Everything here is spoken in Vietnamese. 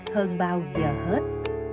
hơn bao giờ hết